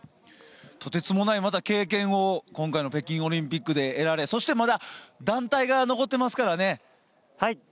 とてつもない経験を今回の北京オリンピックで得られそして団体が残っていますから。